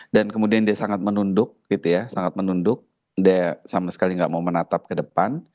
dan kemudian dia sangat menunduk dia sama sekali tidak mau menatap ke depan